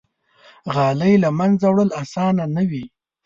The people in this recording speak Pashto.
غالۍ له منځه وړل آسانه نه وي.